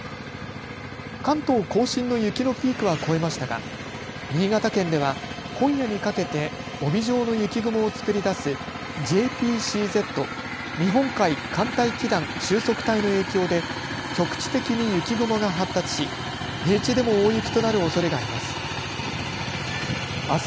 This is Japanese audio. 関東甲信の雪のピークは越えましたが新潟県では今夜にかけて帯状の雪雲を作り出すＪＰＣＺ・日本海寒帯気団収束帯の影響で局地的に雪雲が発達し平地でも大雪となるおそれがあります。